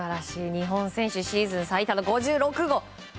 日本選手シーズン最多の５６号。